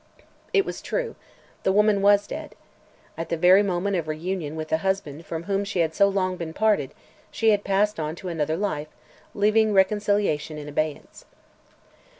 It was true; the woman was dead. At the very moment of reunion with the husband from whom she had so long been parted, she had passed on to another life, leaving reconciliation in abeyance.